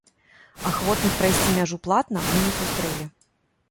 Ахвотных прайсці мяжу платна мы не сустрэлі.